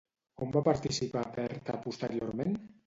On va participar Berta posteriorment?